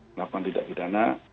dilakukan tindak pidana